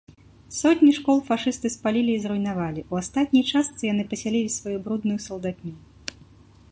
Сотні школ фашысты спалілі і зруйнавалі, у астатняй частцы яны пасялілі сваю брудную салдатню.